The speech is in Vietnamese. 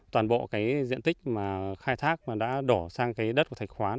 toàn bộ cái diện tích mà khai thác mà đã đổ sang cái đất của thạch khoán